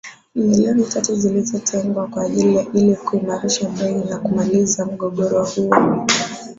milioni tatu zilizotengwa kwa ajili ya ili kuimarisha bei na kumaliza mgogoro huo